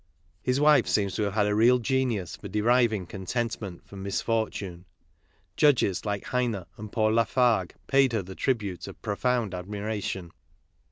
His wife seems to have had a real genius for deriving contentment from misfortune; judges like Heine and Paul Lafargue paid her the tribute of profound admiration.